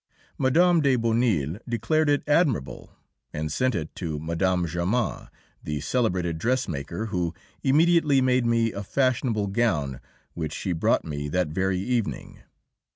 Mme. de Bonneuil declared it admirable, and sent it to Mme. Germain, the celebrated dressmaker, who immediately made me a fashionable gown, which she brought me that very evening.